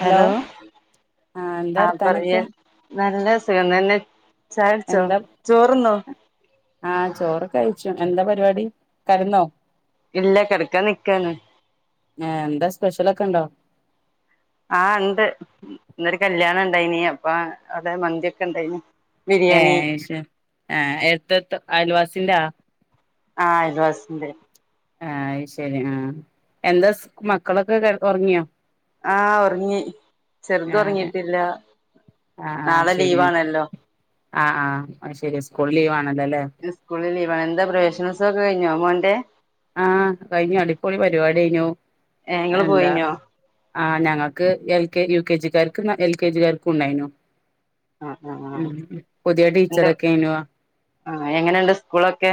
Hello ആ എന്താ ർത്താനൊക്കെ നല്ല സുഖംതന്നെ എന്താ ആ ചോറ്ക്കെക്കഴിച്ചു എന്താ പ പരിപാടി കടന്നോ ഇല്ല കിടക്കാൻ നിക്കാന് ഹേ എന്താ സ്പെഷ്യലൊക്കെ ഇണ്ടോ ആഹ് ഉണ്ട് ഇന്നൊരു കല്യാണം ഇണ്ടായിനീ അപ്പൊ അതെ മന്തിയൊക്കെ ഇണ്ടായിന് ഏഹ് ഏശു എടുത്ത്ടുത്ത അയൽവാസിന്റെ ആഹ് അയൽവാസിന്റെ ആ ആയ് ശേരി എന്താ മക്കളൊക്കെ ഒറങ്ങിയോ ആഹ് ഒറങ്ങി ചെറുത് ആഹ് ഒറങ്ങിട്ടില്ല ആഹ് നാളെ ശരി ലീവാണല്ലോ ആഹ് ആഹ് ശരി- കൊള്ളി വാ ഇത് സ്കൂള്ല്- എന്താ പ്രവേശനോസക്കെ കഴിഞ്ഞോ മോൻ്റെ - ആഹ് കഴിഞ്ഞു അടിപൊളി പരിപാടിഞ്ഞു ഏ ഇങ്ങള് എന്താ- പോയിനോ ആഹ് ഞങ്ങൾക്ക് എൽ കെ യു കെ ജിക്കാർക്ക് എൽ കെ ജിക്കാർക്കും ഉണ്ടായിനു- ആ ആ ആ മ്മ് പുതിയ ടീച്ചറൊക്കെ എനുവാ- ആഹ് എങ്ങനെണ്ട് സ്കൂളൊക്കെ?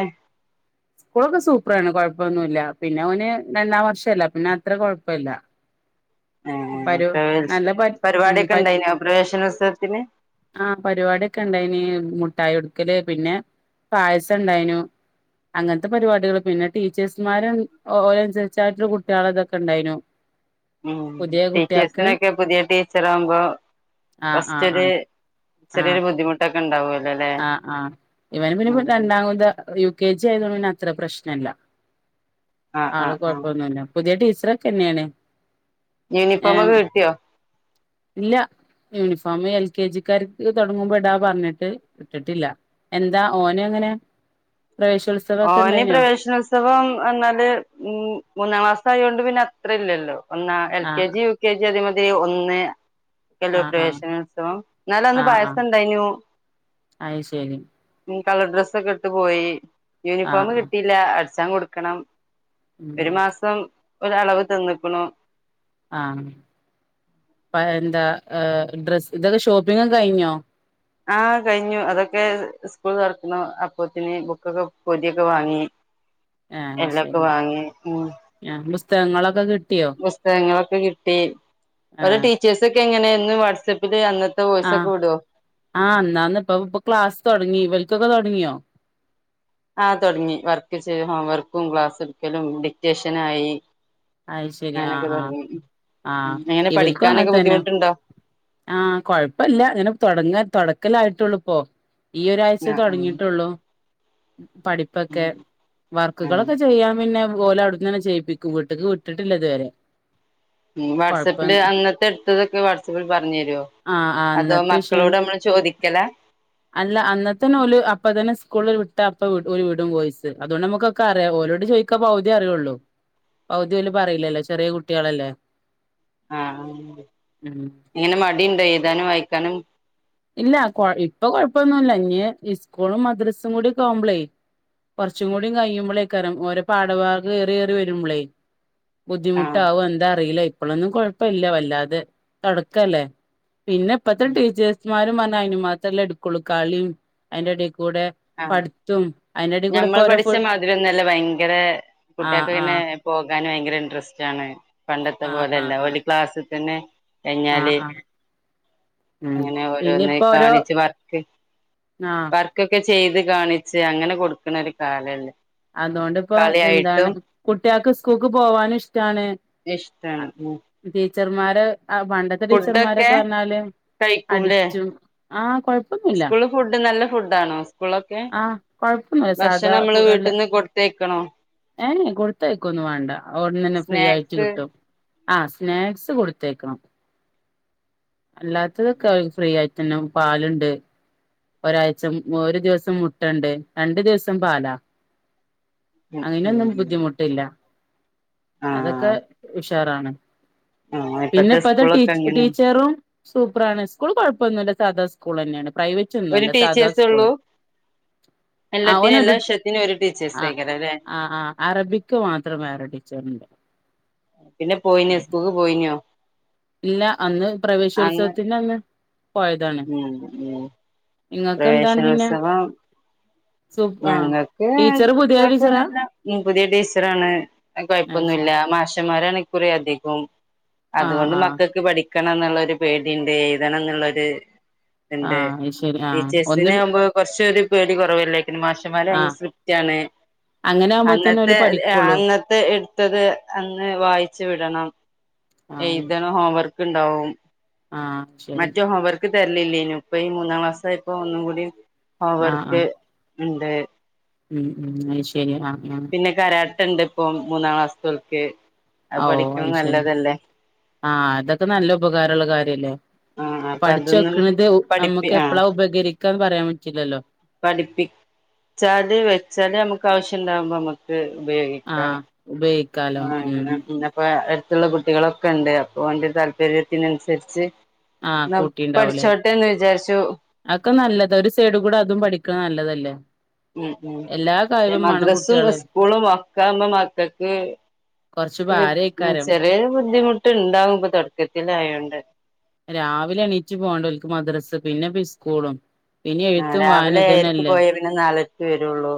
സ്കൂളൊക്കെ സൂപ്പറാണ് കൊഴപ്പൊന്നുല്ല പിന്നെ ഓന് രണ്ടാം വർഷല്ല പിന്നെ അത്ര കൊഴപ്പൊല്ല- ആ ഉം പ പരിപാടിയൊക്കെ ഇണ്ടായിനോ പ്രവേശനോത്സവത്തിന്- ആഹ പരിപാടിക്കെ ഇണ്ടായിന് മുട്ടായി കൊടുക്കല് പിന്നെ പായസം ഉണ്ടായിനു അങ്ങനത്തെ പരിപാടികള് പിന്നെ ടീച്ചേഴസുമാരും ഓരനുസരിച്ചായിട്ടുള്ള കുട്ടികൾ ഇതൊക്കെ ഉണ്ടായിനു- ഉം ടീച്ചേഴ്സിനൊക്കെ പുതിയ ടീച്ചർ ആകുമ്പോ ആ ആ ആ ഫസ്റ്റ്ഒര്- ആ ചെറിയൊര് ബുദ്ധിമുട്ടക് ഉണ്ടാവ ആ ആ ഇവന് പിന്നെ രണ്ടാകൊല്ല യു കെ ജി ആയതോണ്ട് ന്നെ അത്ര പ്രശ്നല്ല ആഹ് ആള് ആഹ് ആഹ് കൊഴപ്പൊന്നുല്ല പുതിയ ടീച് ചത്രക്കന്നെയാണ് യൂണിഫോമൊക്കെ കിട്ട്യോ ഇല്ല യൂണിഫോം എൽ കെ ജിക്കാർക്ക് തുടങ്ങുമ്പോ ഇടാ പർഞ്ഞിട്ട് ഇട്ടിട്ടില്ല എന്താ ഓനങ്ങനെ ഓനി പ്രവേശനോത്സവം എന്നാല് ഉം മൂന്നാം ക്ലാസ് യോണ്ട് പിന്നെ അത്ര ഇല്ലല്ലോ ഒന്ന എൽ കെ ആഹ് ജി യു കെ ജി അതെമാത് എ ഒന്ന് എല്ലോ ആഹ് ആഹ് പ്രശനോത്സവം ന്നാലും അന്ന് ആഹ് പായസം ആഹ് ഇണ്ടായിനു അയ് ശരി കളർ ഡ്രസ്സൊക്കെ ഇട്ട് പോയി ആഹ് യൂണിഫോം ആഹ് കിട്ടിയില്ല അട് ചാ കൊടുക്കണം ഒരു ഉം മാസം ഒരളവ് തന്ന്ക്ക്ണു ആ പ്പ എന്ത ഏഹ് ഡ്രസ്സ് ഇതൊക്കെ ഷോപ്പിങ്ങൊക്കെ കഴിഞ്ഞോ? ആ കഴിഞ്ഞു, അതൊക്കെ സ്കൂൾ തൊറക്കുന്നു അപ്പൊത്തന്നെ ബുക്കൊക്കെ, പൊതിയൊക്കെ വാങ്ങി. ആഹ് എല്ലക്കും വാങ്ങി ഉം ത്തെ മ്മളൊക്കെ കി പുസ്തകങ്ങളൊക്കെ കിട്ടി ഒരു ആഹ് ടീച്ചേഴ്സൊക്കെങ്ങനെ ന്ന് വാട്സആപ്പില് അന്ന ആഹ് ആ ന്നാന്ന് ഇപ്പൊ ഇപ്പ ക്ലാസ് തുടങ്ങി ഇവൽക് പ്പതുടങ്ങിയോ ആ തൊടങ്ങി വർക്ക് ചെയ് ഹോം വർക്കും ക്ലാസ്സ്ട്ക്കലും ഡിക്റ്റേഷനായി അയ് ശരി അങ്ങനൊക്കെ ആഹ്ആഹ് തുടങ്ങി ആഹ് എങ്ങനെ ഇവൽക്കും പഠിക്കാനൊക്കെ അങ്ങൻത്തന്നെ ബുദ്ധിമുട്ടുണ്ടോ ആ കൊഴപ്പല്ല ങ്ങനെ തുടങ്ങ ക്കലായിട്ടള്ളൂ ഇപ്പോ ഈ ഒരാഴ്ച ആഹ് ആഹ് തുടങ്ങീട്ടുള്ളൂ ഉം പഠിപ്പൊക്കെ ആഹ് വർക്കുകളൊക്കെ ചെയ്യാൻ പിന്നെ ഓലൗട്ട്ന്നന്നെ ചെയ്പ്പിക്കും വി ക്ക് വിട്ടിട്ടില്ലതുവരെ ഉം വാട്സപ്പില് അന്നത്തെ എടുത്തതൊക്കെ വാട്സപ്പിൽ പറഞ്ഞു തര്വോ ആഹ് ആഹ് അതോ അന്നത്തെ വിഷയം മക്കളോട് മ്മള് ചോദിക്കലാ അല്ല അന്നത്തന്നെ ഓല് അപ്പ തന്നെ സ്കൂളിൽ വിട്ട അപ്പ വ് ഓര് വിടും വോയിസ് അതുകൊണ്ട് നമുക്കക്കറിയാ ഓലോട് ചോയിക്കാ പകുതി അറിയുള്ളൂ പൗദ്യോല് പറീല്ലല്ലോ ചെറ്യേ കുട്ട്യേളല്ലേ ആ ഇങ്ങനെ മടിണ്ടൊ എഴുതാനും വായിക്കാനും ഇല്ല കൊ ഇപ്പൊ കൊഴപ്പൊന്നുല്ല ഇഞ് ഇസ്കൂളും മദ്രസും കൂടി ക്കആവുമ്പളേ കുറച്ചും കൂടി കഴിമ്പോളേക്കരം ഓരോ പാഠഭാഗ ഏറിയേറി വരുമ്പളേ ആഹ് ബുദ്ധിമുട്ടാവ എന്ത അറീല അപ്പളൊന്നും കൊഴപ്പല്ല വല്ലാതെ തൊടക്കല്ലേ പിന്നെപ്പത്തെ ഉം ടീച്ചേഴസ് [unintelligible] അതിനുമ്മാത്രല്ലേ എടുക്കുള്ളൂ കളിം അയ്ന്റെടേല് ആഹ് കൂടെ ഇപ്പോ ഞമ്മള് ഓരോ ഫു പഠിച്ച മാതിരി ഒന്നല്ല ഭയങ്കര ആഹ് കുട്ട്യേകങ്ങനെ ആഹ് പൊ ക്കാന് ഭയങ്കര ഇൻട്രസ്റ്റ് ആണ് പണ്ടത്തെ ആഹ് പോലല്ല ആഹ് ഒലി ആഹ് ക്ലാസ് പിന്നെ കയ്ഞ്ഞാല് ആഹ് ആഹ് ഉം അങ്ങനെ പിന്നെ ഓരോന്ന് ഇപ്പോ ഓരോ കാണിച്ച് വർക്ക് ആഹ് വർക്ക് ചെയ്ത് കാണിച്ച് അങ്ങനെ കൊടുക്കണ ഒരു കാലല്ലേ അതോണ്ടിപ്പോ എന്താണ് കളിയായിട്ടും കുട്ട്യേക്ക് സ് കൂക്ക് പോവാനി ഷ് റ്റാണ് ഇഷ്ടാണ് ഉം ചെറുമാരെ ആ പണ്ടത്തെ ഫുഡൊക്കെ ടീച്ചർമാരൊക്കെ പറഞ്ഞാല് കഴിക്കൂലേ അടിച്ചും ആഹ് കൊഴപ്പൊന്നുമില്ല സ്കൂളില് ഫുഡ് ആണോ ആഹ് കൊഴപ്പൊന്ന സാധാ നമ്മള് നല്ല വീട്ടിൽന്ന് കൊടുത്തയക്കണോ ഏ എ കൊടുത്തയക്കൊന്നും വാണ്ട ഔട് ന്നന്നെ ഫ്രീ ആയിട്ട് സ്നാക്സ് കിട്ടും ആ സ്നാക്സ് കൊടുത്തയക്കണം അല്ലാത്തതൊക്കെ [unintelligible] ഫ്രീ ആയി [unintelligible] പിന്നെ പാലുണ്ട് ഒരാഴ്ച ഒരു ദിവസം മുട്ടണ്ട് രണ്ടു ദിവസം പാലാ അങ്ങനെയൊന്നും ബുദ്ധിമുട്ടില്ല അതൊക്കെ ആഹ് ഇഷ് ട്ടറാണ് ആഹ് ഇപ്പത്തെ പിന്നെപ്പത ടീ സ്കൂളൊക്കെ അങ്ങനെയാണ് ടീച്ചറും സൂപ്പർ ആണ്ണ് സ്കൂൾ കുഴപ്പൊന്നൂല്ല സാദാ സ്കൂള ന്നെയാണ് പ്രൈവ ഒരു റ്റൊന്നുഅല്ല സാധാ ടീച്ചേഴ്സേ സ്കൂള് ഉള്ളൂ ആ എല്ലാത്തിനും എല്ലാ ഓനൊരു വിഷയത്തിനും ഒരു ആ ടീച്ചേഴ്സേക്കാരം ല്ലേ ആ അറബിക് മാത്രം വേറെ ടീച്ചർണ്ട് പിന്നെ പോയിന്യോ ഇസ്കൂക്ക് പോയി ന്യോ ഇല്ല അന്ന് പ്രവേശോത്സവത്തിൻ്റെ അന്ന് പോയതാണ് ഉം ഉം നിങ്ങൾക്ക് എന്താണ് പിന്നെ പ്രവേശനോത്സവം സു ആ ഞങ്ങൾക്ക് ടീച്ചറ് പുതിയ ടീച്ചറാ കൊഴപ്പന്നുല്ല പുതിയ ടീച്ചറാണ് [unintelligible] അത് ശരി കുഴപ്പൊന്നൂല്ല മാഷമ്മാരാണ് കുറേ അധികവും ആ അതുകൊണ്ട് ആ മക്കൾക്ക് പഠി ക്കണം എന്നുള്ളരു പേടിണ്ട് എഴുതണം എന്നുള്ളൊരു ആ ഇണ്ട് അത് ശരി ആ ഒന്ന് ടീച്ചേഴ്സിനെ ആവുമ്പോ കുറച്ചരു പേടി കുറവല്ലേ പിന്നെ മാഷമ്മാര് ആ ഭയങ്കര സൃപ്റ്റാണ് അങ്ങനെ ആകുമ്പോത്തന്നെ ഓല് അന്നത്തെ പഠിക്കുള്ളൂ അന്നത്തെ ഇട്ത്തത് അന്ന് വായിച്ചു വിടണം എഴുതണം ഹോംവർക്ക് ക്ക് ഇണ്ടാവും ആഹ് ശരി തരലില്ലേന്നു ഇപ്പൊ ഈ മൂന്നാം ക്ലാസ്സായപ്പൊ ഒന്നും കൂടി ആ ആ അവർക്ക് ഇണ്ട് ഉം ഉം അയ് ശരി ആ പിന്നെ കരാ ട്ട ഇണ്ട് ഇപ്പം മൂന്നാം ക്ലാസ്സു ത്തോൽക്ക് ഓ അയ് ശെരി ആഹ് അതൊക്കെ നല്ല ഉപകാരള്ള കാര്യല്ലേ ആ അപ്പൊ പഠിച്ചു അതൊന്നും വെക്കണത് പഠിപ്പി നമുക്ക് ആ എപ്പളാ ഉപകരിക്കാന്ന് പറയാൻ പറ്റില്ലല്ലോ പഠിപ്പി ച്ചാല് വെച്ചാല് നമുക്ക് ആവശ്യണ്ടാവുമ്പോ ഇമക്ക് ആഹ് ഉപ ക്കാലോ ആഹ് ഉം അങ്ങനെ അപ്പൊ അടുത്തുള്ള കുട്ടികളൊക്കെ ഇ ണ്ട് അപ്പൊ ഓന്റെ താല്പര്യത്തിന് അനുസരിച്ച് ആഹ് കൂട്ടിണ്ടാവൂലേ വിചാരിച്ചു അതക്കെ നല്ലതാ ഒരു സൈഡി കൂടെ അതും പഠിക്കാ, നല്ലതല്ലേ. ഉം ഉം എല്ലാ കഴിവും വേണം മദ്രസും കുട്ടികള് സ്കൂളും ഒക്കെ ആവുമ്പോ മക്കക്ക് കൊറച്ച് ഭാരേക്കാരം ചെറിയ ബുദ്ധിമു ട്ട് ഇണ്ടാവും ഇപ്പൊ തൊടക്കത്തിലായോണ്ട് രാവിലെ എണീറ്റ് പോണ്ടേ ഓൽക്ക് മദ്രസ്സ പിന്നെ ഇപ്പൊ ഈ സ്കൂളും പിന്നെ ആ എഴുത്തും വായന രാവിലെ ഏഴരക്ക് ഇതന്നെല്ലേ പോയേ പിന്നെ നാലരക്ക് വരുള്ളൂ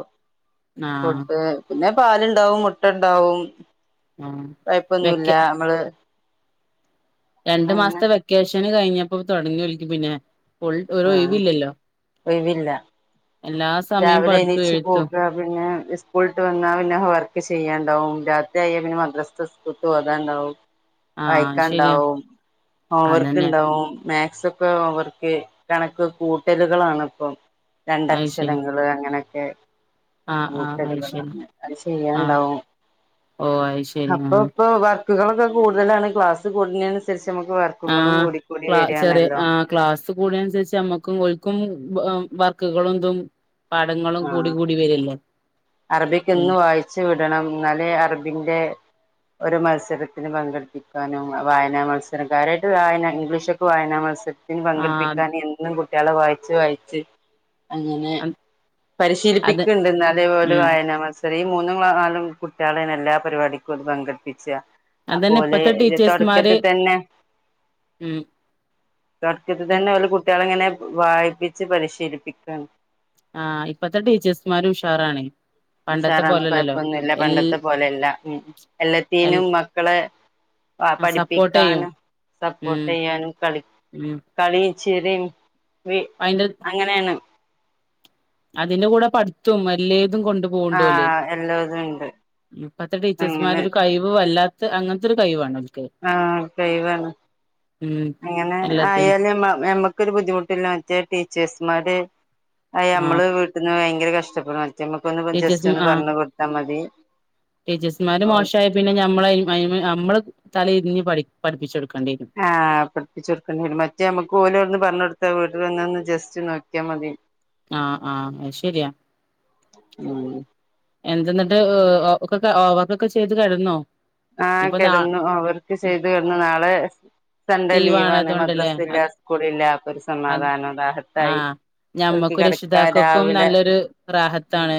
ആഹ് ഫുഡ് പിന്നെ പാലുണ്ടാവും മുട്ട ഉണ്ടാവും ആഹ് കൊഴപ്പൊന്നുല്ല വെക്ക ഇമ്മള് രണ്ടു മാസത്തെ വെക്കേഷൻ അച്ഛന് കഴിഞ്ഞപ്പോ തൊടങ്ങി ഓലിക്ക് പിന്നെ ൾ ഒരു ആഹ് ഒഴിവില്ലല്ലോ ഒഴിവില്ല എല്ലാ സമയം പഠിത്തവും എഴുത്തും സ്കൂള് വിട്ട് വന്നാൽ പിന്നെ വർക്ക് ചെയ്യാണ്ടാവും രാത്രിയായ പിന്നെ മദ്രസ ഓതാണ്ടാവും ആഹ് ശരിയാ വായിക്കാണ്ടാവും അതന്നെ ഹോംവർക്കിണ്ടാവും മാത്‍സൊക്കെ ഹോം വർക്ക് കണക്ക് കൂട്ടലുകളാണ് ഇപ്പം അത് ശരി രണ്ടക്ഷരങ്ങള് അങ്ങനെ ഏ ആഹ് ആഹ് അത് കൂട്ടുക ശരി അത് ആഹ് ചെയ്യാനണ്ടാവും ഓ അത് ശരി അപ്പൊ ആഹ് അപ്പൊ വർക് ബുക്കുകളൊക്കെ കൂടുതലാണ് ക്ലാസ്സ് കൂടുന്നതിനനുസരിച്ച് നമുക്ക് ആ വർക്കുകളും കൂടിക്കൂടി ക്ലാസ്സ്‌ ചെറിയ വരികയാണല്ലോ ആ ക്ലാസ്സ് കൂടുന്ന അനുസരിച്ച് ഞമ്മക്കും ഓല്ക്കും വർക്കുകളുണ്ട് പാഠങ്ങളും കൂടി കൂടി വരിയല്ലേ അറബിക്കൊന്ന് വായിച്ചു വിടണം എന്നാലേ അറബിന്റെ ഒരു മത്സരത്തിന് പങ്കെടുപ്പിക്കാനും വായനാ മത്സരം കാര്യായിട്ട് വായന ഇംഗ്ലീഷൊക്കെ വായനാ മത്സരം ന് പങ്കെടുപ്പിക്കാൻ ആഹ് എന്നും കുട്ട്യോളെ വായിച്ച് വായിച്ച് അങ്ങനെ അത് പരിശീലിപ്പിക്ക്ണ്ട് ഇന്ന ഓല് ഉം വായന മാസ ചെറ്യേ മൂന്നും ക്ലാ നാലും കുട്യോളേണ് എല്ലാ പരിവാടിക്കും ഓല് പങ്കെടുപ്പി ച്ച അതന്നെ അപ്പോല് ഇപ്പത്തെ ടീച്ചേഴ്സ്മാര് തൊടക്കത്ത് തന്നെ ഉം തൊടക്കത്ത് തന്നെ ഓല് കുട്ട്യോളങ്ങനെ വായിപ്പിച്ച് പരിശീലിപ്പിക്കാണ്. ആഹ് ഇപ്പത്തെ ടീച്ചേഴ്സമാരു ഉഷാറാണേ. ഉഷാറാണ് കൊയപ്പൊന്നുല്ല്യ പണ്ടത്തെ പോലെയല്ല എൽ എല്ലാത്തിനും മക്കളെ ആ സപ്പോർട്ട് ചെയ്യും പഠിപ്പിക്കാനും ഉം സപ്പോർട്ടിയ്യാനും കളി ഉം കളി ചിരിം വി അയിന്റെ അങ്ങനേണ്. അതിന്റെ കൂടെ പഠിത്തും അല്ലേ തും കൊണ്ട് പോണ്ട് ഓല് ആഹ് എല്ലോതും ഉണ്ട് ഇപ്പത്തെ അങ്ങനെ ടീച്ചേഴ്‌സ്മാരൊരു കഴിവ് വല്ലാ ത്ത് അങ്ങനത്തൊരു കൈവാ. ആ കൈവാണ് ഉം അങ്ങനെ എല്ലാത്തിനും ആയാലും ഞമ്മ ഞമ്മക്ക് ക്കൊരു ബുദ്ധിമുട്ടില്ല മറ്റേ ടീച്ചേഴ്സ്മാര് അയ് ആ ഞമ്മള് വീട്ട്ന്ന് വയ ങ്കര കഷ്ടപ്പെടാ ചമക്കൊന്നു ഇപ്പം ജസ്റ്റ് ഒന്ന് പറഞ്ഞ് കൊടുത്താ മതി. ടീച്ചേഴസ്മാര് മോശായ പിന്നെ ഞമ്മളയ് മൈമെ നമ്മള് തല ഇരിഞ്ഞ് പഠി പഠിപ്പിച്ചൊടു ആഹ് പഠിപ്പിച്ചൊടുക്കേണ്ടിയരും മറ്റേ നമ്മക്ക് ഓലോട്ന്ന് പറഞ്ഞോട് ത്ത വീട്ടില് വന്നൊന്ന് ജസ്റ്റ് നോക്കിയാ മതി. ആഹ് ആഹ് അയ്ശരിയാ. എന്തെന്നിട്ട് ഒ ഒക്കെ ഹോവർക്കൊക്കെ ചെയ്ത് കെടന്നോ? ആഹ് ഇനിയിപ്പോ നാ കിടന്നു ഹോവർക്ക് ചെയ്ത് കിടന്നു നാളെ സൺഡേ ലീവാണ് അതോണ്ടല്ലേ മദ്രസല്ല അത് സ്കൂളില്ല അപ്പൊ ഒരു അത് സമാധാനം റാഹത്തായി. ആഹ് ഞമ്മക്കും കെടക്കാ രക്ഷിതാക്കൾക്കും രാവിലെ നല്ലൊരു റാഹത്താണ്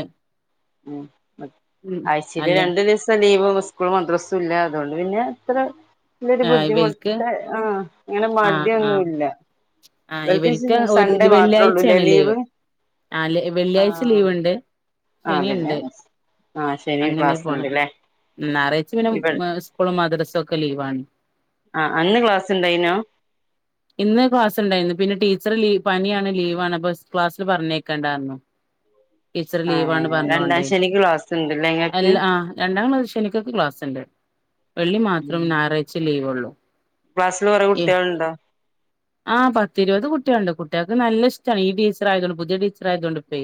ആഴ്ച്ചേല് അല്ലെ രണ്ട് ദിവസം ലീ [unintelligible] സ്‌കൂളു മദ്രസ് സുല്ല അതോണ്ട് പിന്നെ അത്ര വല്ലൊരു ബുദ്ധിമുട്ട് ആഹ് അങ്ങനെ ആന് ആഹ് മടിയൊന്നുല്ല ആ ഇവർക്ക് ഇവൽക്ക് സൺഡേ ഒരു മാത്രേ ഉള്ളൂല്ലേ വെള്ളിയാഴ്ച്ചേണ് ലീവ് ആ വെള്ളിയാഴ്ച ആഹ് ലീവ്ണ്ട് ആഹ് പിന്നെ ശനിണ്ട് ആഹ് ശനി അങ്ങനെ ക്ലാസ് പോണ് ഉണ്ട്ല്ലേ നാറായ്ച പിന്നെ ഇവൾ മ സ്കൂളും മദ്രസ ഒക്കെ ലീവാണ്. ആഹ് അന്ന് ക്ലാസ് ഉണ്ടായിനോ ഇന്ന് ക്ലാസുണ്ടായിരുന്നു പിന്നെ ടീച്ചർ ലീവ് പനിയാണ് ലീവാണ് അപ്പൊ ക്ലാസ്സിൽ പറഞ്ഞേക്കണ്ടാ പറഞ്ഞു. ടീച്ചർ ആ ലീവാണ് രണ്ടാം പറഞ്ഞോണ്ടേ ശനിക്ക് ക്ലാസ് ഉണ്ടല്ലേ ഇങ്ങക്ക് എല്ല ആ രണ്ടാം ക്ലാ ശെനിക്കൊക്കെ ക്ലാസുണ്ട് വെള്ളി മാത്രം ഉം ഞായറാഴ്ച്ച ലീവ് ഉള്ളു. ക്ലാസ്സില് കൊറെ എ കുട്ടികളുണ്ടോ ആഹ് പത്തിരുപത് കുട്ട്യാള്ണ്ട് കുട്ട് കുട്ട്യാക്ക് നല്ലഷ്ടാ ഈ ടീച്ചറായതോണ്ട് പുതിയ ടീച്ചറായതോണ്ട് പ്പെ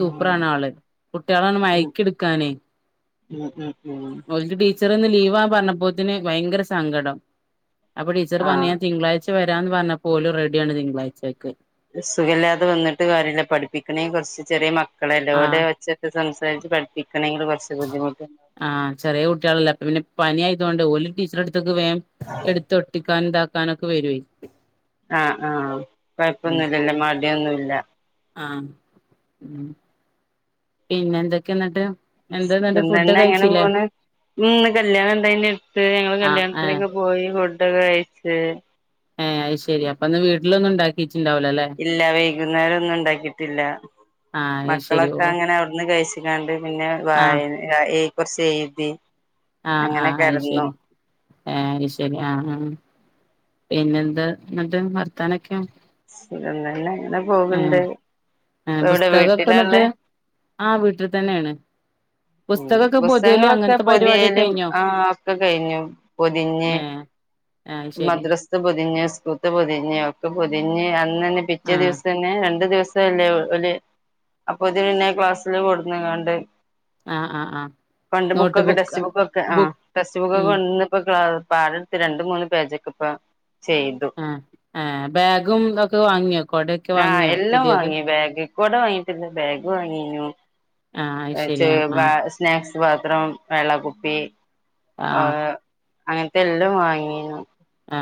ഉം ആള് കുട്ട്യാളങ് ഉം മയക്കിട്ക്കാനെ ഉം ഉം ഉം ഓൽത് ടീച്ച ന്ന് ഇന്ന് ലീവാ പറഞ്ഞപ്പോത്തിന് ഭയങ്കര സങ്കടം അപ്പ ടീച്ചറ് ആ പർഞ്ഞീ ഞാൻ തിങ്കളായ്ച വര രാൻ പറഞ്ഞപ്പോല് റെഡ്യാണ് തിങ്കാഴ്ചയ്ക്ക് സുഖല്ലാതെ വന്ന്ട്ട് കാര്യല്ല പഠിപ്പിക്കണേ കൊറച്ച് ചെറിയ മക്ക് ക്കളെല്ലെ ആഹ് ഓലെ ഒച്ചട്ട് സംസ് താക്കി പഠിപ്പിക്കണെങ്കി കൊറച്ച് ബുദ്ധിമു ആഹ് ചെറിയ കുട്ടികളല്ല അപ്പ പിന്നെ പനി ആയതുകൊണ്ട് ഒരു ടീച്ചറട് ത്ത്ക്ക് വേം എടുത്തൊട്ത്തിക്കാൻ ഇത ക്കാനൊക്കെ വരേ ആഹ് ആഹ് ഉം കൊഴപ്പൊന്നും ഇല്ലല്ല മാ ല്ല ന്നുല്ല ആഹ് ഉം പിന്നെ എന്തൊക്കെ ന്നിട്ട് ഇതന്നെ ങ്ങനെ പോണ് ഉം ന്ന് കല്യാണം എന്തായ എടുത്ത് ഞങ്ങള്ൾ ആഹ് ഏഹ് കല്യാണത്തിനൊക്കെ പോയി ടെക്കെ കഴിച്ച് ഹ അത്ശരി അപ്പൊ ഇന്ന് വീ ലൊന്ന് ണ്ടാക്കി ഇല്ല വൈകുന്നേരൊന്നും ഇണ്ടാക്കിട്ടില്ല ആഹ് അത് ശരി ഓ മക്കളൊക്കെ അങ്ങനെ അവിടുന്ന് കഴിച്ച് ക്കാണ്ട് പിന്നെ വ ആഹ് കുറച്ച് കഴിഞ്ഞിട്ട് ആഹ് ആഹ് അയ് ശരി ആ അയ് ശരി ആഹ് ആഹ് പിന്നെ എന്താ ഇന്നിട്ട് വർത്താനൊക്കെ ശിന്നന്നെ എങ്ങനെ പോക്ണ്ട് ആഹ് പുസ്തകക്കെ ന്നിട്ട് ആഹ് വീട്ട് തന്നെയാണ് ഉം പുസ്തകൊക്കെ പൊതിയല് പുസ്തകങ്ങളൊക്കെ അങ്ങനത്തെ പരിപാടിയൊക്കെ പൊതിയലും കഴിഞ്ഞോ ആ ഒക്കെ കഴിഞ്ഞു പൊതിഞ്ഞ് ഏഹ് അത് ശരി മദ്രാസ്ത്ത് പൊതിഞ്ഞ് സ്കൂള്ത്ത് പൊതി ഒക്കെ പൊതിഞ് അ അ തന്നെ പിറ്റേ ആഹ് ദിവസം തന്ന രണ്ട് ദിവസം ല്ലേ ഒല് അപ്പൊ ഇത് പിന്നെ ക്ലാസ്സില് കൊടുന്ന് കാണ്ട് ആഹ് ആഹ് ആഹ് കൊണ്ട് നോട്ട് ബുക്കൊക്കെ ബുക്ക് ടെക്സ്റ്റ് ബുക്കൊക്കെ ആ ബുക്ക് ടെക്സ്റ്റ് ബുക്കൊക്കെ ഉം കൊണ്ട് പ്പേ ക്ലാസ്സ് പാടം എടുത്ത് രണ്ടണ്ട് മൂന്ന് പേജ് ഒക്കെ ഇപ്പം ആ ആ ബാഗും ഇതൊക്കെ വാങ്ങിയോ കൊടയൊക്കെ ആഹ് വാങ്ങിയോ എല്ലാം പുതിയത്? വാങ്ങി ബാഗ് കൊട വാങ്ങിട്ടില്ല ബാഗ് വാങ്ങീനു. ആഹ് ശരിയാ. [unintelligible] സ്നാക്സ് പാത്രം, വെള്ളകുപ്പി ആഹ് അങ്ങനത്തെ എല്ലാം വാങ്ങീനും.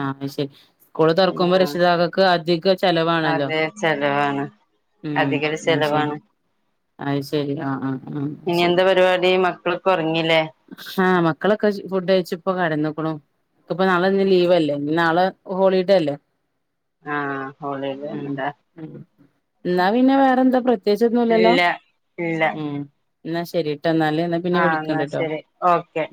ആ ശരി. സ്കൂൾ തുറക്കുമ്പോ രക്ഷിതാക്കൾക്ക് അധിക ചെലവാണല്ലോ അതെ ചെലവാണ് ഉം അധികൊരു ചെലവാണ് [unintelligible] അത് ശരി ആ ആഹ് ആഹ് ശരി. മക്കളിപ്പോ ആഹ് മ മക്കളൊക്കെ ഫുഡ് കഴിച്ച് ഇപ്പ കെടന്നുക്കണു ഇപ്പ നാളെ ഇനി ലീവല്ലേ നാളെ ഹോളിഡേ അല്ലേ? ആഹ് ഹോളിഡേ ഉം ഇണ്ടാ ഉം എന്നാ പിന്നെ വേറെന്താ പ്രത്യേകിച്ചൊന്നുല്ലല്ലോ? ഇല്ല ഇല്ല ഉം എന്ന ശരി. ട്ടെന്നാൽ എന്നാ പിന്നെ ആഹ് എന്നാ വിളിക്കണ്ടട്ടോ. ശരി ഓക്കെ.